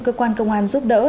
cơ quan công an giúp đỡ